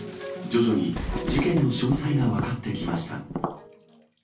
徐々に事件の詳細が分かってきました。